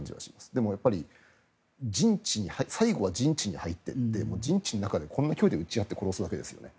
でも、最後は陣地に入ってるので陣地の中でこんな距離で撃ち合って殺すわけですよね。